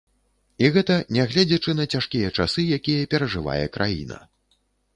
І гэта нягледзячы на цяжкія часы, якія перажывае краіна.